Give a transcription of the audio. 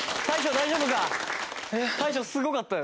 大昇すごかったよ